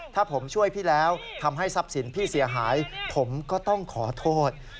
ถ้าผมช่วยพี่แล้วทำให้ทรัพย์สินพี่เสียหายผมก็ต้องขอโทษ